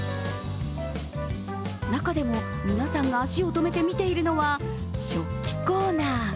中でも、皆さんが足を止めて見ているのは食器コーナー。